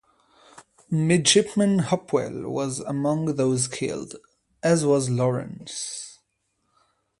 Midshipman Hopewell was among those killed, as was Lawrence.